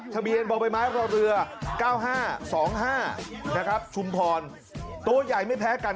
ทะเบียนบอกไปไม้บอกเรือเก้าห้าสองห้านะครับชุมพรตัวใหญ่ไม่แพ้กัน